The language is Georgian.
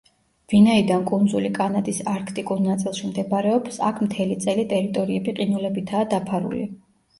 ვინაიდან კუნძული კანადის არქტიკულ ნაწილში მდებარეობს, აქ მთელი წელი ტერიტორიები ყინულებითაა დაფარული.